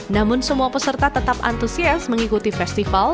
namun semua peserta tetap antusias mengikuti festival